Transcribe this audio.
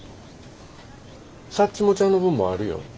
サッチモちゃんの分もあるよ。